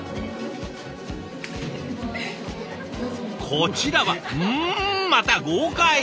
こちらはんまた豪快！